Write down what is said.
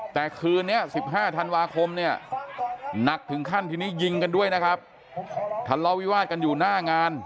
แต่คืนนี้๑๕ธันวาคมเนี่ยหนักถึงขั้นทีนี้ยิงกันด้วยนะครับทะเลาะวิวาดกันอยู่หน้างาน